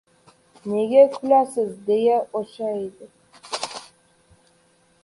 — Nega kulasiz? — deya o‘shshaydi.